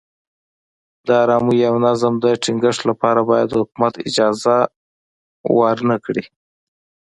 د ارامۍ او نظم د ټینګښت لپاره باید حکومت اجازه ورنه کړي.